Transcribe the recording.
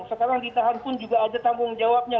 sekarang ditahan pun juga ada tanggung jawabnya